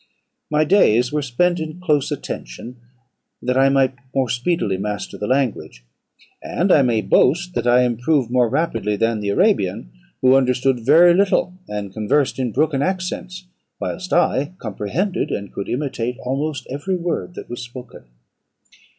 "My days were spent in close attention, that I might more speedily master the language; and I may boast that I improved more rapidly than the Arabian, who understood very little, and conversed in broken accents, whilst I comprehended and could imitate almost every word that was spoken.